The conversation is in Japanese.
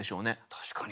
確かに。